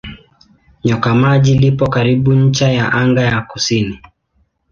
Nyoka Maji lipo karibu ncha ya anga ya kusini.